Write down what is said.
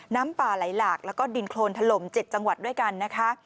น้ำป่าไหลหลากแล้วก็ดินโครนถล่ม๗จังหวัดด้วยกันนะคะ